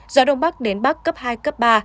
gió đông bắc đến bắc cấp hai cấp ba